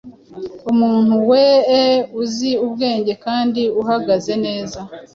umuntu wee uzi ubwenge kandi uhagaze neza